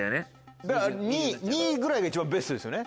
だから２位ぐらいが一番ベストですよね